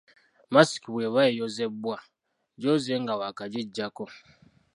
Masiki bw’eba eyozebwa, gyoze nga waakagiggyako.